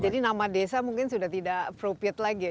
jadi nama desa mungkin sudah tidak appropriate lagi ya